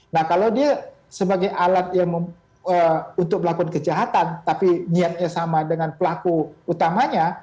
nah kalau dia sebagai alat yang untuk melakukan kejahatan tapi niatnya sama dengan pelaku utamanya